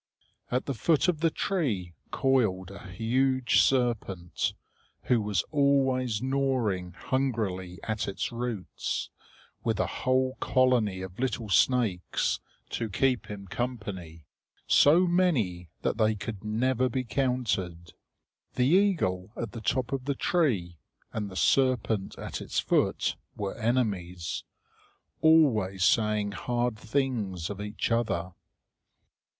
At the foot of the tree coiled a huge serpent, who was always gnawing hungrily at its roots, with a whole colony of little snakes to keep him company so many that they could never be counted. The eagle at the top of the tree and the serpent at its foot were enemies, always saying hard things of each other.